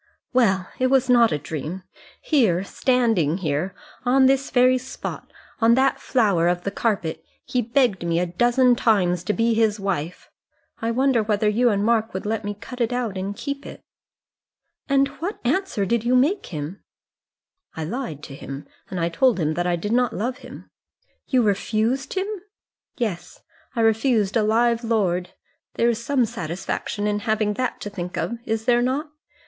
"Well, it was not a dream. Here, standing here, on this very spot on that flower of the carpet he begged me a dozen times to be his wife. I wonder whether you and Mark would let me cut it out and keep it." "And what answer did you make to him?" "I lied to him and told him that I did not love him." "You refused him?" "Yes; I refused a live lord. There is some satisfaction in having that to think of, is there not?